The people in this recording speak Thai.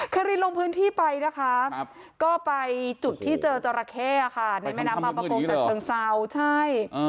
คารินลงพื้นที่ไปนะคะก็ไปจุดที่เจอจราเข้ค่ะในแม่น้ำบางประกงจากเชิงเศร้าใช่